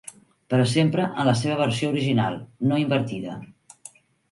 Però sempre en la seva versió original, no invertida.